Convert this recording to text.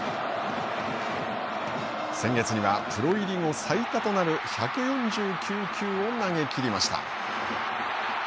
先月にはプロ入り後最多となる１４９球を投げきりました。